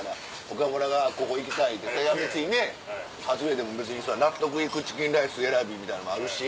岡村が「ここ行きたい」ってそれが別にねハズレでも別に納得いくチキンライス選びみたいなのもあるし。